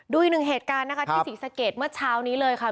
ดูอีกหนึ่งเหตุการณ์นะคะที่ศรีสะเกดเมื่อเช้านี้เลยค่ะ